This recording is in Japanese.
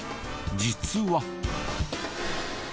実は。